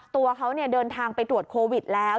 ตัวเขาเดินทางไปตรวจโควิดแล้ว